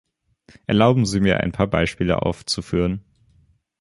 Erlauben Sie mir, ein paar Beispiele aufzuführen.